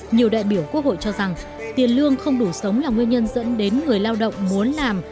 nhiều đại biểu quốc hội cho rằng tiền lương không đủ sống là nguyên nhân dẫn đến người lao động muốn làm